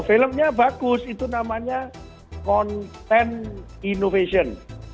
filmnya bagus itu namanya konten innovation